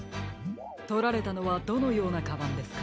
とられたのはどのようなカバンですか？